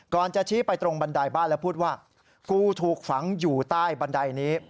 จะชี้ไปตรงบันไดบ้านแล้วพูดว่ากูถูกฝังอยู่ใต้บันไดนี้